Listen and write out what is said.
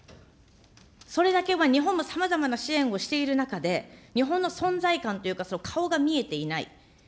それだけ日本もさまざまな支援をしている中で、日本の存在感というか、顔が見えていない。